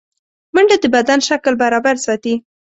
منډه د بدن شکل برابر ساتي